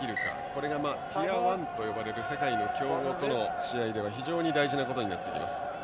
これが、ティア１といわれる世界の強豪との試合では非常に大事なことになっています。